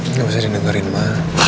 nggak bisa didengarkan ma